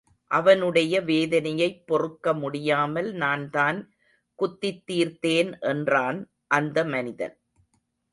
அவனுடைய வேதனையைப் பொறுக்க முடியாமல் நான்தான் குத்தித் தீர்த்தேன் என்றான் அந்த மனிதன்.